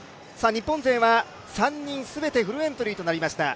日本勢は３人全てフルエントリーとなりました。